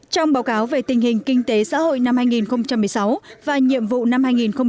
trong báo cáo về tình hình kinh tế xã hội năm hai nghìn một mươi sáu và nhiệm vụ năm hai nghìn một mươi chín